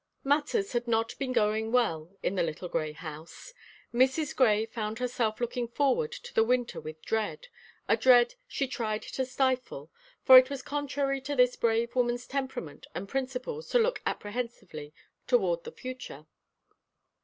Matters had not been going well in the little grey house. Mrs. Grey found herself looking forward to the winter with dread, a dread she tried to stifle, for it was contrary to this brave woman's temperament and principles to look apprehensively toward the future.